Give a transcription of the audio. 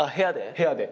部屋で。